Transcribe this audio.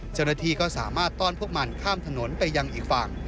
เจ้าหน้าที่ก็สามารถต้อนพวกมันข้ามถนนไปยังอีกฝั่ง